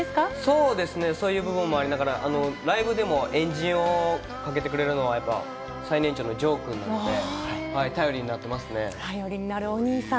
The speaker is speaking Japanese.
そうですね、そういう部分もありながら、ライブでもエンジンを組んでくれるのはやっぱ最年長の丈君なんで。頼りになるお兄さん。